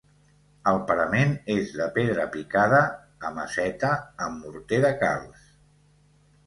El parament és de pedra picada a maceta amb morter de calç.